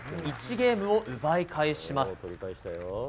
１ゲームを奪い返します。